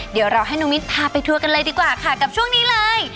เดี๋ยวเราให้น้องมิ้นพาไปทัวร์กันเลยดีกว่าค่ะกับช่วงนี้เลย